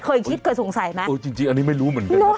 เคยคิดเคยสงสัยไหมเออจริงจริงอันนี้ไม่รู้เหมือนกันนะ